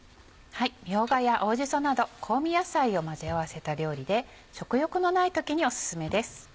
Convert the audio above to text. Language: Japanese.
みょうがや青じそなど香味野菜を混ぜ合わせた料理で食欲のない時にオススメです。